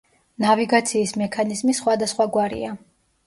ნავიგაციის მექანიზმი სხვადასხვაგვარია.